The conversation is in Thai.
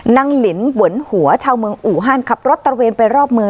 ลินหวนหัวชาวเมืองอูฮันขับรถตระเวนไปรอบเมือง